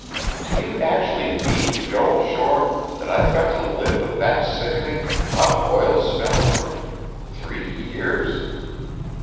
"Do you actually mean, Joel Shore, that I've got to live with that sickening, hot oil smell for th three years?"